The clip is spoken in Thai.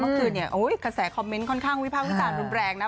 เมื่อคืนเนี่ยโอ้ยคาแสคอมเมนต์ค่อนข้างวิพากฤษารุนแรงนะ